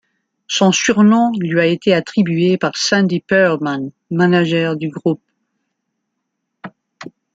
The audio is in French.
Son surnom lui a été attribué par Sandy Pearlman, manager du groupe.